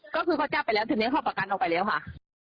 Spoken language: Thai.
ก็คือเขาจับไปแล้วทีนี้เขาประกันออกไปแล้วค่ะ